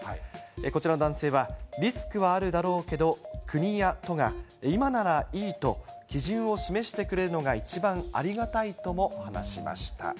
こちらの男性は、リスクはあるだろうけど、国や都が、今ならいいと基準を示してくれるのが一番ありがたいとも話しました。